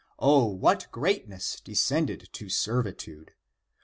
O what greatness descended to servitude!